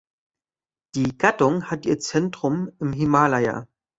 Die Gattung hat ihr Zentrum im Himalaya.